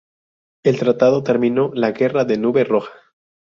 El tratado terminó la Guerra de Nube Roja.